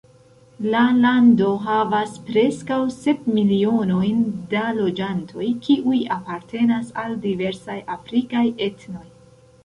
La lando havas preskaŭ sep milionojn da loĝantoj, kiuj apartenas al diversaj afrikaj etnoj.